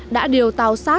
đã điều tàu sát